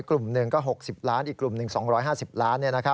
กลุ่มหนึ่งก็๖๐ล้านอีกกลุ่มหนึ่ง๒๕๐ล้าน